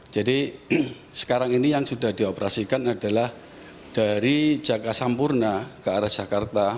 jadi sekarang ini yang sudah dioperasikan adalah dari jatisampurna ke arah jakarta